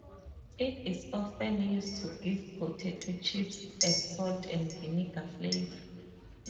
It is often used to give potato chips a salt and vinegar flavor.